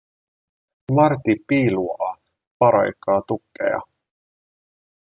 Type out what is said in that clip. Martti piiluaa paraikaa tukkeja.